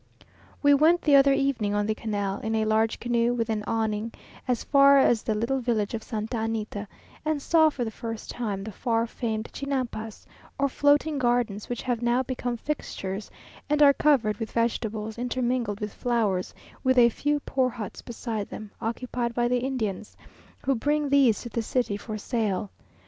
We went the other evening on the canal, in a large canoe with an awning, as far as the little village of Santa Anita, and saw, for the first time, the far famed Chinampas, or floating gardens, which have now become fixtures, and are covered with vegetables, intermingled with flowers, with a few poor huts beside them, occupied by the Indians, who bring these to the city for sale.